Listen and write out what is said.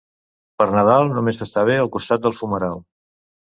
Per Nadal només s'està bé al costat del fumeral.